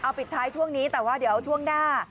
ปิดท้ายช่วงนี้แต่ว่าเดี๋ยวช่วงหน้า